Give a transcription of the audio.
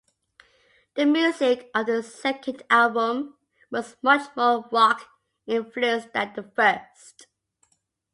The music of the second album was much more rock-influenced than the first.